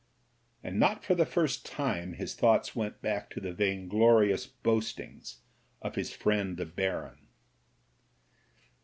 And not for the first time his thoughts went back to the vainglorious boastings of his friend the Baron.